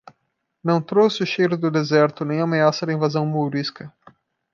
Não trouxe o cheiro do deserto nem a ameaça da invasão mourisca.